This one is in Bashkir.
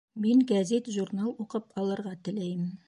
Мин гәзит, журнал уҡып алырға теләйем